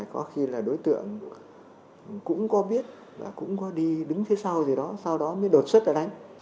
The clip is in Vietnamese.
có khi là đối tượng cũng có biết là cũng có đi đứng phía sau gì đó sau đó mới đột xuất ra đánh